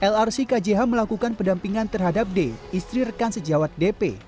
lrc kjh melakukan pendampingan terhadap d istri rekan sejawat dp